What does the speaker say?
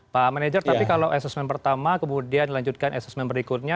pak manager tapi kalau assessment pertama kemudian dilanjutkan asesmen berikutnya